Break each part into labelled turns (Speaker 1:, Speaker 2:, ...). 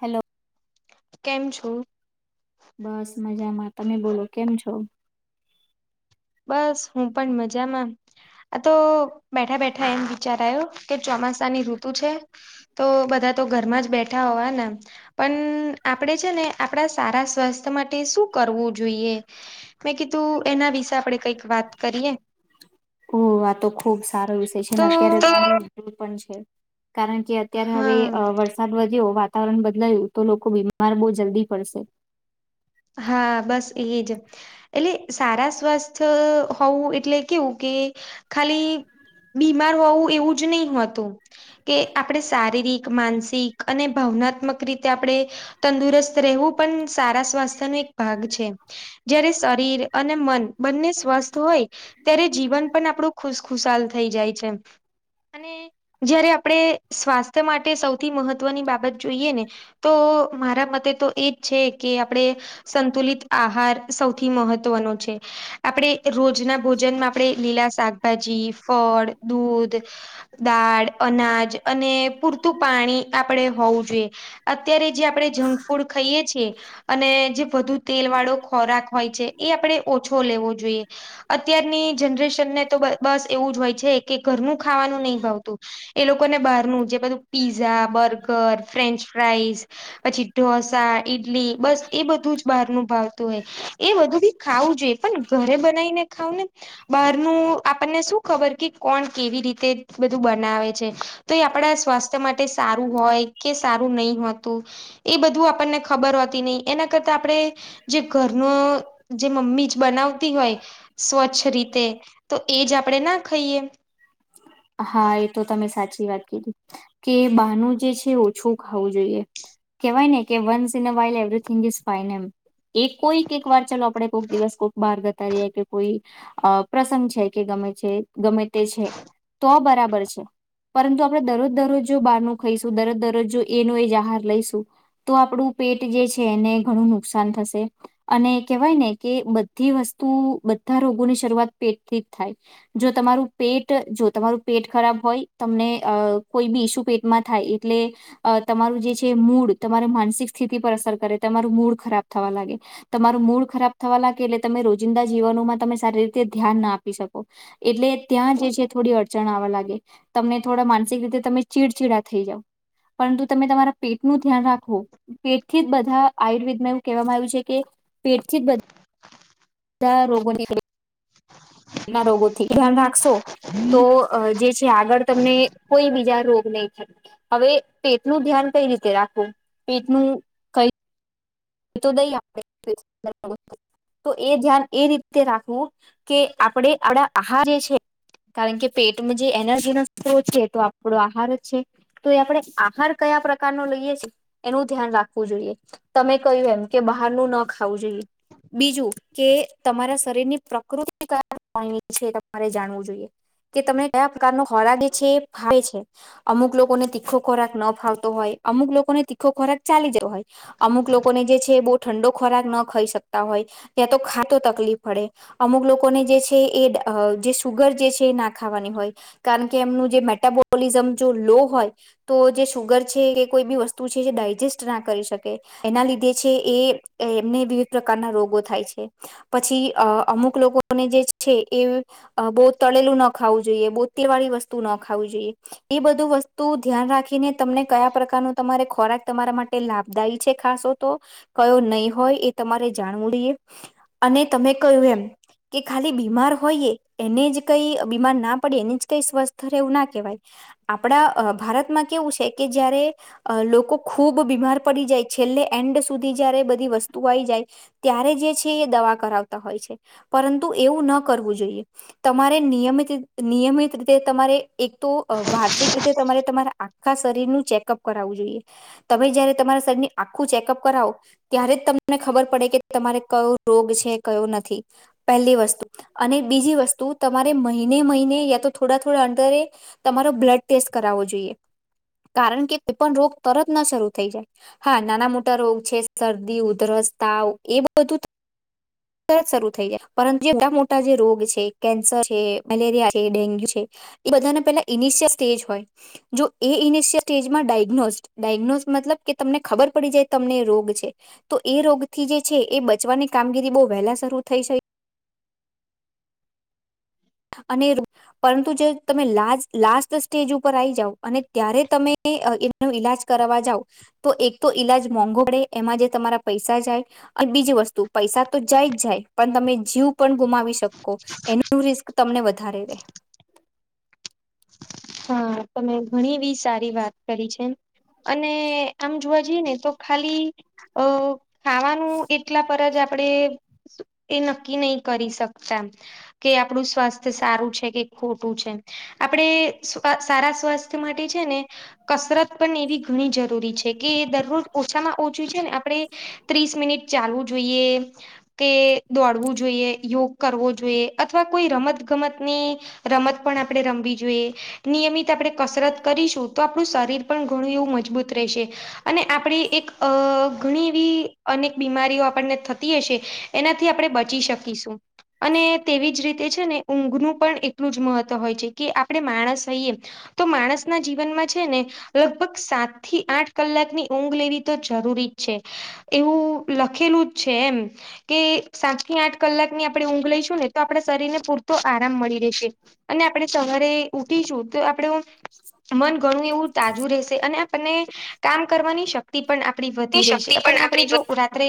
Speaker 1: Hello
Speaker 2: કેમ છો?
Speaker 1: બસ મજામાં તમે બોલો કેમ છો?
Speaker 2: બસ હું પણ મજામાં આતો બેઠા બેઠા એમ વિચારાયો કે ચોમાસાની ઋતુ છે તો બધા તો ઘરમાં જ બેઠા હોવાના પણ આપણેે છે ને આપણા સારા સ્વાસ્થ્ય માટે શું કરવું જોઈએ મેં કીધું એના વિશે આપણેે કઈક વાત કરીએ
Speaker 1: ઓ આ તો ખુબ સારો વિષય છે
Speaker 2: તો
Speaker 1: અત્યારે તો પણ છે કારણ કે અત્યારે હવે
Speaker 2: હા
Speaker 1: વરસાદ વધ્યો વાતાવરણ બદલાયું તો લોકો બીમાર બહુ જલ્દી પડશે
Speaker 2: હા બસ એજ એટલે સારા સ્વસ્થ હોવું એટલે કેવું કે ખાલી બીમાર હોવું એવું જ નહી હોતું કે આપણે શારીરિક માનસિક અને ભાવનાત્મક રીતે આપણે તંદુરસ્ત રહેવું પણ સારા સ્વાસ્થ્યનો એક ભાગ છે જયારે શરીર અને મન બંને સ્વસ્થ હોય ત્યારે જીવન પણ આપણું ખુશખુશાલ થઈ જાય છે અને જયારે આપણે સ્વાસ્થ્ય માટે સૌથી મહત્વની બાબત જોઈએ ને તો મારા મતે તો એજ છે કે આપણેે સંતુલિત આહાર સૌથી મહત્વનો છે આપણેે રોજના ભોજનમાં આપણેે લીલા શાકભાજી ફળ દૂધ દાળ અનાજ અને પૂરતું પાણી આપણેે હોવું જોઈએ અત્યારે જે આપણેે જંક ફૂડ ખાઈએ છીએ અને જે વધુ તેલ વાળો ખોરાક હોય છે એ આપણે ઓછો લેવો જોઈએ અત્યારની જનરેશનને તો બસ એવું જ હોય છે કે ઘરનું ખાવાનું નહી ભાવતું એ લોકોને બહારનું જે બધું પિઝા બર્ગર ફ્રેન્ચફ્રાઈસ પછી ઢોસા ઈડલી બસ એ બધું જ બહાર નું ભાવતું હોય એ બધું બી ખાવું જોઈએ પણ ઘરે બનાવીને ખાવ ને બહારનું આપણને શું ખબર કે કોણ કેવી રીતે બધું બનાવે છે તો એ આપણા સ્વાસ્થ્ય માટે સારું હોય કે સારું નહી હોતું એ બધું આપણને ખબર હોતી નહી એના કરતા આપણે જે ઘરનું જે મમ્મી જ બનાવતી હોય સ્વચ્છ રીતે તો એ જ આપણે ના ખાઈએ
Speaker 1: હા એ તો તમે સાચી વાત કીધી કે બાનું જે છે ઓછું ખાવું જોઈએ કેહેવાય ને કે once in a while everything is fine એમ એ કોઈક એક વાર ચાલ આપડે કોક દિવસ કોક બહાર બહાર જતા રહ્યા કે કોઈ અ પ્રસંગ છે કે ગમે છે ગમે તે છે તો બરાબર છે પરંતુ આપણે દરરોજ દરરોજ જો બારનું ખાઈશું દરરોજ દરરોજ જો એનો એ જ આહાર લઈશું તો આપણું પેટ જે છે એને ઘણું નુકસાન થશે અને કેહેવાય ને કે બધી વસ્તુ બધા રોગોની શરૂઆત પેટથી જ થાય જો તમારું પેટ જો તમારું પેટ ખરાબ હોય તમને અ કોઈ બી ઈસુ પેટમાં થાય એટલે અ તમારું જે છે મૂડ તમારી માનસિક સ્થિતિ પર અસર કરે તમારું મૂડ ખરાબ થવા લાગે તમારું મૂડ ખરાબ થવા લાગે એટલે તમે રોજિંદા જીવનોમાં તમે સારી રીતે ધ્યાન ના આપી શકો એટલે ત્યાં જે છે થોડી અડ જણાવા લાગે તમે થોડા માનસિક રીતે તમે ચીડચીડા થઈ જાવ પરંતુ તમે તમારા પેટ નું ધ્યાન રાખવો પેટથી જ બધા આયુર્વેદમાં એવું કહેવામાં આવ્યું છે કે પેટથી જ બધ ધા રોગો ની [unintelligible] ના રોગોથી ધ્યાન રાખશો તો અ જે છે આગળ તમને કોઈ બીજા રોગ નહીં થ હવે પેટનું ધ્યાન કઈ રીતે રાખવું પેટનું કઈ [unintelligible] તો એ ધ્યાન એ રીત તે રાખવું કે આપડે આપડા આહાર જે છે કારણ કે પેટમાં જે એનર્જી નો સ્ત્રો છે તો આપડો આહાર જ છે તો એ આપડે આહાર કયા પ્રકાર નો લઈએ છેીએ એનું ધ્યાન રાખવું જોઈએ તમે કહ્યું એમ કે બહારનું ન ખાવું જોઈએ બીજું કે તમારા ની શરીર પ્રકૃતિ કયા પ્રકારની છેતમારે જાણવું જોઈએ કે તમને કયા પ્રકારનો ખોરાક લે છે જે ફાવે છે અમુક લોકોને તીખો ખોરાક ન ફાવ તો હોય અમુક લોકોને તીખો ખોરાક ચાલી જ હોય અમુક લો કોને જે છે બહુ ઠંડો ખોરાક ન ખાઈ શકતા હોય ત્યાં તો ખાતો તકલીફ પડે અમુક લોકોને જે છે એ જે સુગર જે છે એ ના ખાવાની હોય કારણ કે એમનું જે મેટાબોલિઝમ જો લો હોય તો જે શુગર છે કે કોઈ બી વસ્તુ છે જે ડાયજેસ્ટ ના કરી શકે એના લીધે છે એ એમને વિવિધ પ્રકારના રોગો થાય છે પછી અ અમુક લોકોને જે છે એ અ બો તળેલું ન ખાવું જોઈએ બઉ તેલ વાળી વસ્તુ ન ખાવું જોઈએ એ બધું વસ્તુ ધ્યાન રાખીને તમને કયા પ્રકારનું તમારે ખોરાક તમારા માટે લાભદાયી છે ખાસો તો કયો નહી હોય એ તમારે જાણવું જોઈએ અને તમે કહ્યું એમ કે ખાલી બીમાર હોઈએ એને જ કઈ બીમાર ના પડે એને જ કઈ સ્વસ્થ રહે એવું ના કેવાય આપડા ભારતમાં કેવું છે કે જયારે લોકો ખૂબ બીમાર પડી જાય છેલ્લે એન્ડ સુધી જયારે બધી વસ્તુ આઈ જાય ત્યારે જે છે એ દવા કરાવતા હોય છે પરંતુ એવું ન કરવું જોઈએ તમારે નિયમિત નિયમિત રીતે તમારે એક તો વાર્ષિક રીતે તમારે તમારા આ ખા શરીર નું ચેકઅપ કરાવવું જોઈએ તમે જયારે તમારા શરીરની આખું ચેકઅપ કરાવો ત્યારે જ તમને ખબર પડે કે તમારે કયો રોગ છે કયો નથી પહેલી વસ્તુ અને બીજી વસ્તુ તમારે મહિને મહિને યા તો થોડા થોડા અંદરે તમારો બ્લડ ટેસ્ટ કરાવો જોઈએ કારણ કે કોઈપણ રોગ તરત ન શરૂ થઈ જાય હા નાના મોટા રોગ છે શરદી ઉધરસ તાવ એ બધું તો તરત શરૂ થઈ જાય પરંતુ જે બધા મોટા જે રોગ છે કેન્સર છે મલેરિયા છે ડેન્ગ્યુ છે એ બધાને પેલા ઇનિશિયલ સ્ટેજ હોય જો એ ઇનિશિયલ સ્ટેજમાં ડાયગ્નોસ્ટ ડાયગ્નોસ્ટ મતલબકે તમને ખબર પડી જાય તમને રોગ છે તો એ રોગ થી જે છે એ બચવાની કામગીરી બહુ વહેલા શરૂ થઈ જાય અને રૂ પરંતુ જો તમે લાસ્ટ સ્ટેજ ઉપર આવી જાવ અને ત્યારે તમે એનું ઈલાજ કરવા જાવ તો એક તો ઈલાજ મોંઘો પડે એમાં જે તમારા પૈસા જાય અને બીજી વસ્તુ પૈસા તો જાય જ જાય પણ તમે જીવ પણ ગુમાવી શકો એનું રિસ્ક તમને વધારે રેય
Speaker 2: હા તમે ઘણી એવી સારી વાત કરી છે અને આમજો જી જઈને તો ખાલી, અ ખાવાનું એટલા પર જ આપડે, એ નક્કી નહી કરી શકતા. કે આપણું સ્વાસ્થ્ય સારું છે કે ખોટું છે આપણે સ્વ સારા સ્વાસ્થ્ય માટે છે ને કસરત પણ એવી ઘણી જરૂરી છે કે દરરોજ ઓછામાં ઓછું છે ને આપણે ત્રીસ મિનિટ ચાલવું જોઈએ, કે દોડવું જોઈએ, યોગ કરવો જોઈએ અથવા કોઈ રમત ગમતની રમત પણ આપણે રમવી જોઈએ. નિયમિત આપણે કસરત કરીશું તો આપણું શરીર પણ ઘણું એવું મજબૂત રહેશે. અને આપણી એક ઘણી એવી અનેક બીમારીઓ આપણને થતી હશે. એનાથી આપણે બચી શકીશું અને તેવી જ રીતે છે ને ઊંઘનું પણ એક એટલું જ મહત્વ હોય છે કે આપણે માણસ હોઈએ તો માણસના જીવનમાં છે ને લગભગ સાત થી આઠ કલાકની ઊંઘ લેવી તો જરૂરી જ છે એવું લખેલું જ છે એમ કે સાત થી આઠ કલાકની આપણે ઊંઘ લઈશું ને તો આપણા શરીર ને પૂરતો આરામ મળી રહેશે. અને આપણે સવારે ઉઠિશુ તો આપડું મન ઘણું એવું તાજું રહેશે અને આપણને કામ કરવાની શ- -ક્તિ પણ આપણી
Speaker 1: રહે
Speaker 2: વધી રહેશે
Speaker 1: શક્તિ
Speaker 2: પણ આપણે જો
Speaker 1: આપણી
Speaker 2: રાત્રે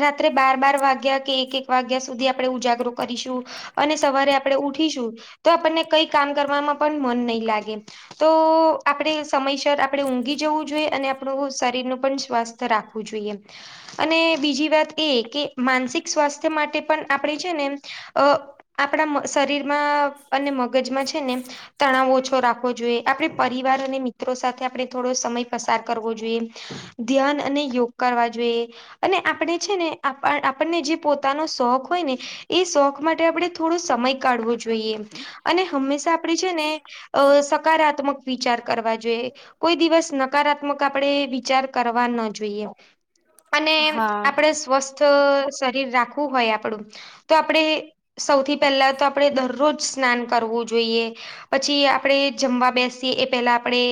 Speaker 2: રાત્રે બાર બાર વાગ્યા કે એક એક વાગ્યા સુધી આપણે ઉજાગરો કરીશું, અને સવારે આપણે ઉઠીશું તો આપણને કઈ કામ કરવાવમાં પણ મન નહી લા- -ગે તો આપણે સમયસર આપણે ઊંઘી જવું જોઈએ અને આપણું શરીરનું પણ સ્વસ્થ રાખવું જોઈએ. અને બીજી વાત એ કે માનસિક સ્વાસ્થ્ય માટે પણ આપણે છે ને આપણા શરીરમાં અને મગજમાં છે ને તણાવ ઓછો રાખવો જોઈએ આપણે પરિવાર અને મિત્રો સાથે આપણે થોડો સમય પસાર કરવો જોઈએ, ધ્યાન અને યોગ કરવા જોઈએ. અને આપણે છે ને આપ આપણને જે પોતાનો શોખ હોય ને એ શોખ માટે આપણે થોડો સમય કાઢવો જોઈએ. અને હંમેશા આપડે છે ને સકારાત્મક વિચાર કરવા જોઈએ કોઈ દિવસ નકારાત્મક આપણેે વિચાર કરવા ન જોઈએ. અને
Speaker 1: હા
Speaker 2: આપડે સ્વસ્થ શરીર રાખવું હોય આપડું તો આપણેે સૌથી પહેલા તો આપણેે દરરોજ સ્નાન કરવું જોઈએ. પછી આપણે જમવા બેસી એ પેલા આપણે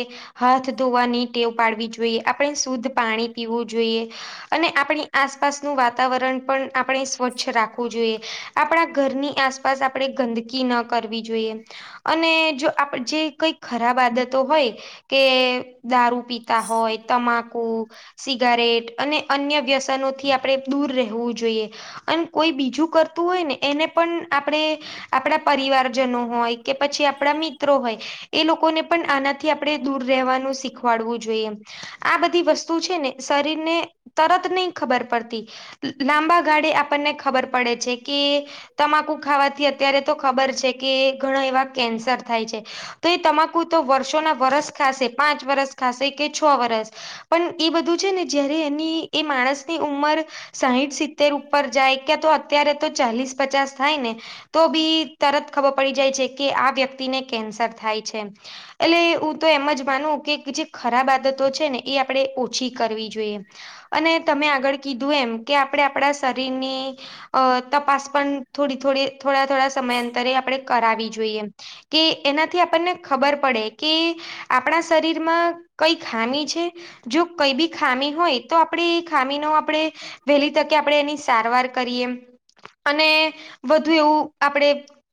Speaker 2: હાથ ધોવાની ટેવ પાડવી જોઈએ, આપણે શુદ્ધ પાણી પીવું જોઈએ. અને આપણી આસપાસનું વાતાવરણ પણ આપણે સ્વચ્છ રાખવું જોઈએ. આપણા ઘરની આસપાસ આપણે ગંદકી ન કર- -વી જોઈએ અને જો આપ જે કઈ ખરાબ આદતો હોય કે દારૂ પીતા હોય, તમાકુ, સિગારેટ, અને અન્ય વ્યસનોથી આપણે દૂર રહેવું જોઈએ. અને કોઈ બીજું કરતું હોય ને એને પણ આપણે આપણા પરિવાર જનો હોય કે પછી આપણા મિત્રો હોય એ લોકોને પણ આનાથી આપણે દૂર રહેવાનું શીખ વાડવું જોઈએ આ બધી વસ્તુ છે ને શરીરને તરત નહી ખબર પડતી, લાંબા ગાળે આપણને ખબર પડે છે કે તમાકુ ખાવાથી અત્યારે તો ખબર છે. એ ઘણા એવા કેન્સર થાય છે. તો એ તમાકુ તો વર્ષોના વરસ ખાશે પાંચ વરસ ખાશે કે છ વરસ પણ એ બધું છે ને જયારે એની એ માણસની ઉંમર સાઇઠ સિત્તેર ઉપર જાય કે તો અત્યારે તો ચાલીસ પચાસ થાય ને તો બી તરત ખબર પડી જાય છે કે આ વ્યક્તિને કેન્સર થાય છે એટલે હું તો એમ જ માનું કે કે જે ખરાબ આદતો છે ને એ આપણે ઓછી કરવી જોઈએ અને તમે આગળ કીધું એમ કે આપણે આપણા શરીરની અ તપાસ પણ થોડી થોડી થોડા થોડા સમયાંતરે આપણેે કરાવી જોઈએ કે એનાથી આપણને ખબર પડે કે આપણા શરીરમાં કઈ ખામી છે જો કઈ બી ખામી હોય તો આપણે એ ખામી નો આપડે વહેલી તકે આપણે એની સારવાર કરીએ અને વધુ એવું આપડે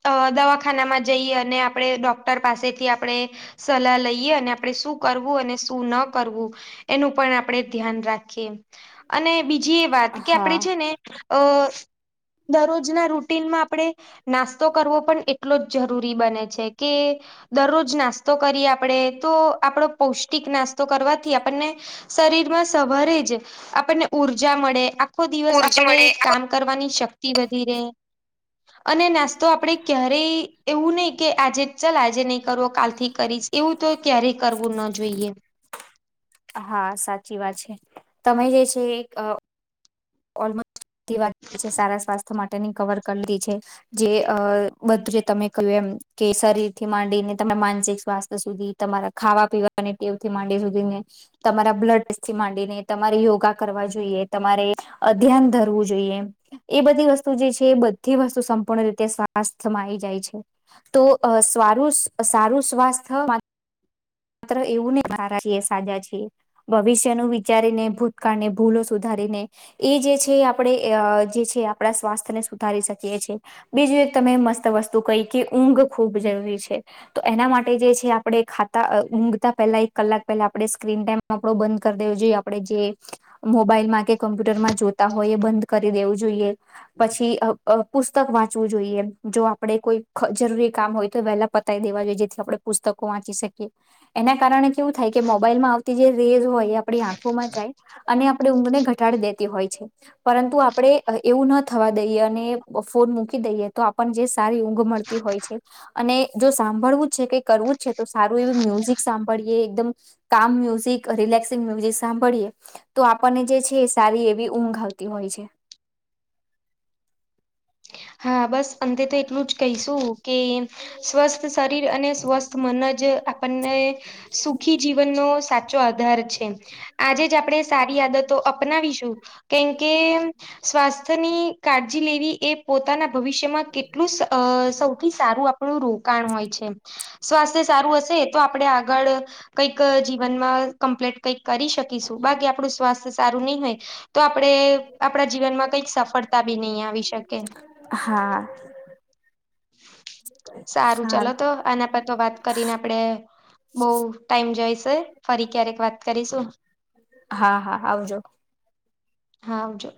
Speaker 2: અ દવાખાનામાં જઈએ અને આપણે ડોક્ટર પાસેથી આપણે સલાહ લઈએ અને આપણે શું અને શું ન કરવું એનું પણ આપણે ધ્યાન રાખીએ અને બીજી એ વાત કે
Speaker 1: હા
Speaker 2: આપણેે છે ને અ દરરોજના રૂટીનમાં આપણે નાસ્તો નાસ્તો કરવો પણ એટલો જ જરૂરી બને છે કે દરરોજ નાસ્તો કરીએ આપણેે તો આપડો પૌષ્ટિક નાસ્તો તો કરવાથી આપણને શરીર સવારે જ આપણને ઉર્જા મળે આખો દિવસ
Speaker 1: ઉર્જા
Speaker 2: આપણને
Speaker 1: મળે
Speaker 2: કામ કરવાની શક્તિ વધી રહે અને નાસ્તો તો આપડે ક્યારેય એવું નહી કે આજે ચાલ આજે નહી કરવું કાલથી કરીશ તો એવું તો ક્યારેય કરવું ન જોઈએ
Speaker 1: હા સાચી વાત છે તમે જે છે એક ઓલમોસ્ટ બધી સારા સ્વાસ્થ્ય માટેની કવર કરી દી છે જે અ બધું તમે કહ્યું એમ કે શરીરથી માંડીને તમે માનસિક સ્વાસ્થ્ય સુધી તમારા ખાવા પીવાને ટેવ થી માંડી સુધી ને તમારા બ્લડ ટેસ્ટથી માંડીને તમારે યોગા કરવા જોઈએ તમારે અદ્યાન ધરવું જોઈએ એ બધી વસ્તુ જે એ બધી વસ્તુ સંપૂર્ણ રીતે સ્વથ્ય માં આવી જાય છે તો અ સારું સારું સ્વાસ્થ માટે માત્ર એવું [unintelligible] ભવિષ્યનું વિચારીને ભૂતકાળને ભૂલો સુધારીને એ જે છે આપણે જે છે આપણા સ્વાસ્થ્ય ને સુધારી શકીએ છ છે બીજું એક તમે મસ્ત વસ્તુ કહી કે ઊંઘ ખૂબ જરૂરી છે તો એના માટે જે છે આપણે ખા ઊંઘતા પેલા એક કલાક પહેલા આપણે સ્ક્રીન ટાઈમ આપણો બંધ કરી દેવો જોઈએ આપડે જે મોબાઈલમાં કે કોમ્પ્યુટરમાં જોતા હોય એ બંધ કરી દેવું જોઈએ પછી અ પુસ્તક વાંચવું જોઈએ જો આપડે કોઈ જરૂરી કામ હોય તો વહેલા પતાય દેવા જોઈએ જેથી આપણે પુસ્તકો વાંચી શકી એના કારણે કેવું થાય કે મોબાઈલમાં આવતી જે રીલ હોય આપણી આંખોમાં જાય અને આપણેે ઊંઘને ઘટાડી દેતી હોય છે પરંતુ આપણે એવું ન થવા દઈએ અને ફોન મૂકી દઈએ તો આપને જે સારી ઊંઘ મળતી હોય છે અને જો સાંભળવું જ છે કઈ કરવું જ છે તો સારું એવું મ્યુઝિક સાંભળીએ એકદમ કામ મ્યુઝિક રિલેક્સિંગ મ્યુઝિક સાંભળીએ તો આપણને જે છે એ સારી એવી ઊંઘ આવતી હોય છે
Speaker 2: હા બસ અંતે તો એટલું જ કહીશું કે સ્વસ્થ શરીર અને સ્વસ્થ મન જ આપણને સુખી જીવનનો સાચો આધાર છે આજે જ આપણે સારી આદતો અપનાવીશું કેમ કે સ્વાસ્થ્યની કાળજી લેવી એ પોતાના ભવિષ્યમાં કેટલું અ સૌથી સારું આપણું રોકાણ હોય છે. સ્વાસ્થ્ય સારું હશે તો આપડે આગળ કઈક જીવનમાં કમ્પ્લીટ કઈક કરી શકીશું બાકી આપણું સ્વાસ્થ્ય સારું નઈ હોય તો આપણેે આપણા જીવનમાં કઈક સફળતા બી નઈ આવી શકે
Speaker 1: હા
Speaker 2: સારું ચલો તો આના પર તો વાત કરીને આપડે બઉ ટાઈમ જઈશે ફરી ક્યારેક વાત કરીશું
Speaker 1: હા હા આવજો
Speaker 2: હા આવજો